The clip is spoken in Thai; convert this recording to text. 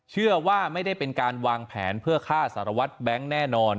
เชื่อว่าไม่ได้เป็นการวางแผนเพื่อฆ่าสารวัตรแบงค์แน่นอน